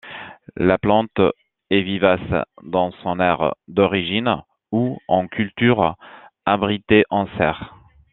La plante est vivace dans son aire d'origine, ou en culture abritée en serre.